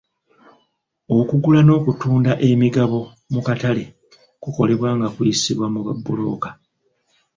Okugula n'okutunda emigabo mu katale kukolebwa nga kuyisibwa mu ba bbulooka.